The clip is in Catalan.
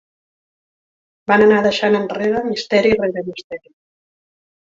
Van anar deixant enrere misteri rere misteri.